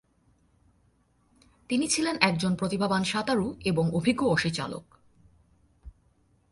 তিনি ছিলেন একজন প্রতিভাবান সাঁতারু এবং অভিজ্ঞ অসিচালক।